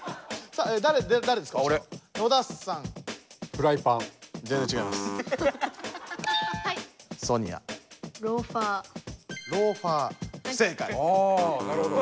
ああなるほど。